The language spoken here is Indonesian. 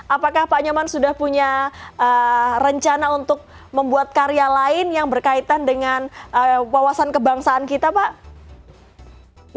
apakah pak nyoman sudah punya rencana untuk membuat karya lain yang berkaitan dengan wawasan kebangsaan kita pak